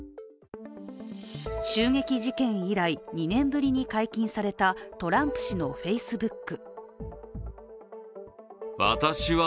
襲撃事件以来、２年ぶりに解禁されたトランプ氏のＦａｃｅｂｏｏｋ。